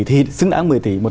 thì xứng đáng một mươi tỷ